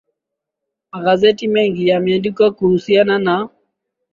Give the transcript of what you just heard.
magazeti mengi yameandika kuhusiana na